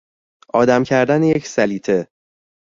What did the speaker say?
آدم کردن یک سلیطه